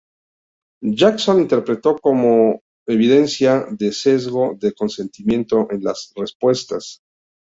Jackson interpretó esto como evidencia de sesgo de consentimiento en las respuestas.